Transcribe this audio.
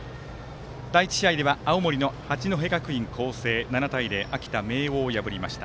第１試合では青森の八戸学院光星７対０で秋田の明桜を破りました。